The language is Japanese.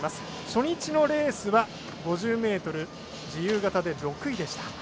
初日のレースは５０ｍ自由形で６位でした。